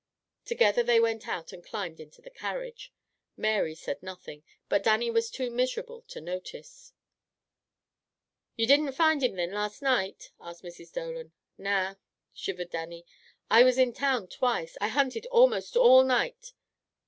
Together they went out and climbed into the carriage. Mary said nothing, but Dannie was too miserable to notice. "You didn't find him thin, last night?" asked Mrs. Dolan. "Na!" shivered Dannie. "I was in town twice. I hunted almost all nicht.